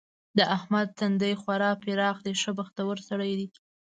د احمد تندی خورا پراخ دی؛ ښه بختور سړی دی.